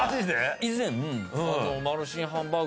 以前。